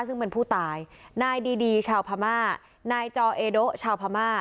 ซึ่งเป็นผู้ตายนายดีดีชาวพม่านายจอเอโดชาวพม่า